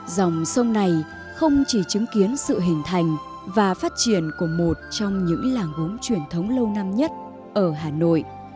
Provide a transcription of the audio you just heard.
dòng sông này không chỉ chứng kiến sự hình thành và phát triển của một trong những làng gốm truyền thống lâu năm nhất ở hà nội